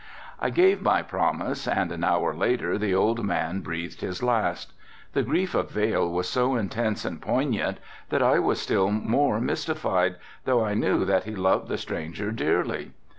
I gave my promise and an hour later the old man breathed his last. The grief of Vail was so intense and poignant that I was still more mystified, though I knew that he loved the stranger dearly.